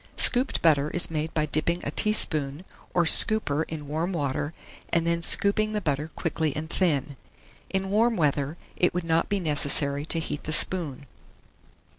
Scooped butter is made by dipping a teaspoon or scooper in warm water, and then scooping the butter quickly and thin. In warm weather, it would not be necessary to heat the spoon.